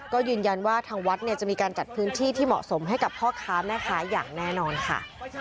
ก็ยืนยันว่าทางวัดเนี่ยจะมีการจัดพื้นที่ที่เหมาะสมให้กับพ่อค้าแม่ค้าอย่างแน่นอนค่ะ